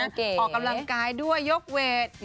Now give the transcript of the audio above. ออกกำลังกายด้วยยกเวท